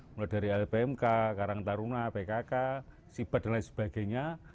mulai dari lbmk karang taruna pkk siber dan lain sebagainya